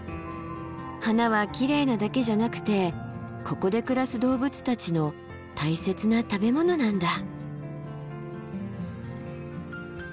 花はきれいなだけじゃなくてここで暮らす動物たちの大切な食べ物なんだ。